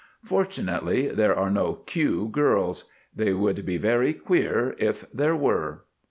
Fortunately there are no Q girls; they would be very Queer if there were.